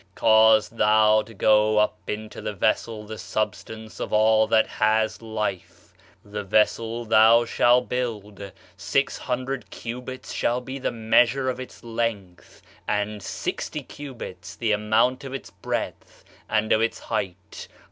Cause thou to go up into the vessel the substance of all that has life. The vessel thou shall build 600 cubits shall be the measure of its length and 60 cubits the amount of its breadth and of its height.